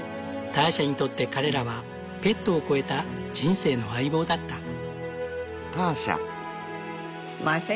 ターシャにとって彼らはペットを超えた人生の相棒だった。